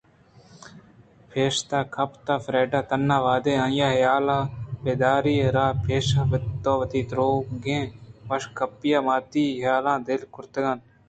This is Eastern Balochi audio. پشت کپت فریڈا تنا وہدے آئی ءِ حیال ءَ بہ دار آئی ءَ را پیش تو وتی درٛوگیں وش گپی ءُماتی حیالاں دل ترٛک کُتگ